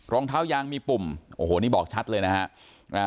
รองเท้ายางมีปุ่มโอ้โหนี่บอกชัดเลยนะฮะ